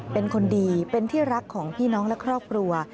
เป็นคนดีเป็นที่รักของพี่น้องและครอบครัว